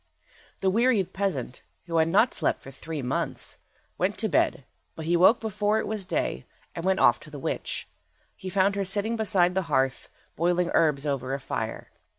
The wearied peasant, who had not slept for three months, went to bed, but he woke before it was day, and went off to the witch. He found her sitting beside the hearth boiling herbs over a fire.